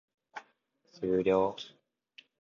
終了